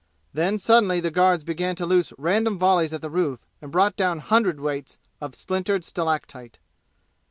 Then suddenly the guards began to loose random volleys at the roof and brought down hundredweights of splintered stalactite.